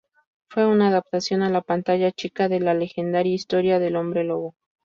Fue una adaptación a la pantalla chica de la legendaria historia del hombre lobo.